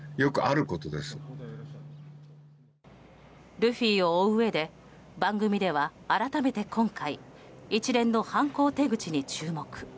ルフィを追ううえで番組では、改めて今回一連の犯行手口に注目。